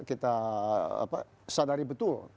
kita sadari betul